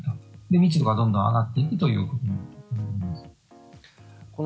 で、密度がどんどん上がっていくということです。